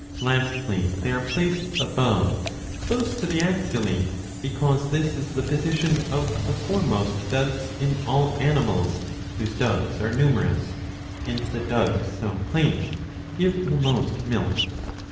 ^ Lastly they are placed above close to the axillae, because this is the position of the foremost dugs in all animals whose dugs are numerous, and the dugs .so placed give the most milk.